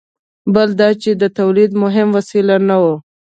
بل دا چې د تولید مهم وسایل نه وو.